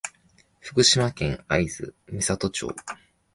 福島県会津美里町